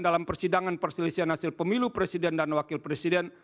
dalam persidangan perselisihan hasil pemilu presiden dan wakil presiden